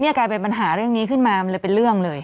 กลายเป็นปัญหาเรื่องนี้ขึ้นมามันเลยเป็นเรื่องเลย